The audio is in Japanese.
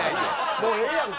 もうええやんか。